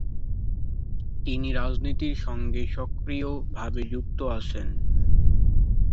তিনি রাজনীতির সঙ্গে সক্রিয় ভাবে যুক্ত আছেন।